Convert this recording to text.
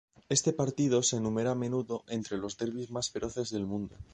Este partido se enumera a menudo entre los derbis más feroces del mundo.